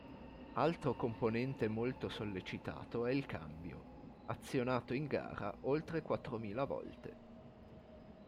Altro componente molto sollecitato è il cambio, azionato in gara oltre quattromila volte.